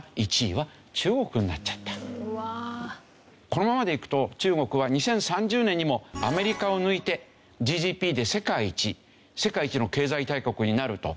このままでいくと中国は２０３０年にもアメリカを抜いてＧＤＰで世界一世界一の経済大国になると。